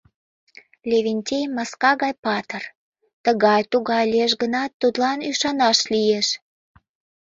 Левентей маска гай патыр, тыгай-тугай лиеш гынат, тудлан ӱшанаш лиеш.